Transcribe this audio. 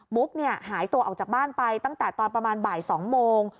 ุ๊กหายตัวออกจากบ้านไปตั้งแต่ตอนประมาณบ่าย๒โมง